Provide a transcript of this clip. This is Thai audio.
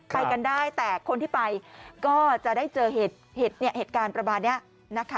ไปกันได้แต่คนที่ไปก็จะได้เจอเหตุการณ์ประมาณนี้นะคะ